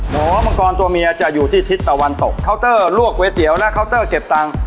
หอมังกรตัวเมียจะอยู่ที่ทิศตะวันตกเคาน์เตอร์ลวกก๋วยเตี๋ยวและเคาน์เตอร์เก็บตังค์